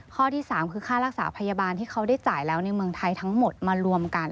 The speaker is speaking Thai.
ข้อที่๓คือค่ารักษาพยาบาลที่เขาได้จ่ายแล้วในเมืองไทยทั้งหมดมารวมกัน